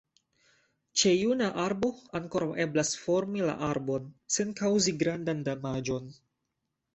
Ĉe juna arbo ankoraŭ eblas formi la arbon, sen kaŭzi grandan damaĝon.